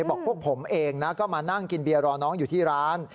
บอกพวกผมเองนะก็มานั่งกินเบียร์รอน้องอยู่ที่ร้าน